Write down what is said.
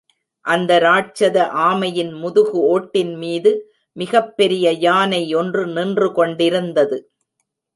அந்த ராட்சத ஆமையின் முதுகு ஓட்டின் மீது மிகப் பெரிய யானை ஒன்று நின்று கொண்டிருந்தது.